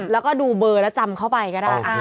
แล้วก็ดูเบอร์แล้วจำเข้าไปก็ได้